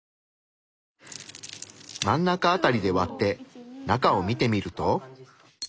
真ん中辺りで割って中を見てみると？